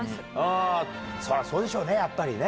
そうでしょうねやっぱりね。